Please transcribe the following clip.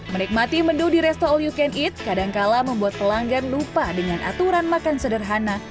menikmati menu di resto all you can eat kadangkala membuat pelanggan lupa dengan aturan makan sederhana